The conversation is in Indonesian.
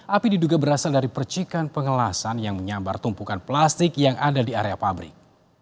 api diduga berasal dari percikan pengelasan yang menyambar tumpukan plastik yang ada di area pabrik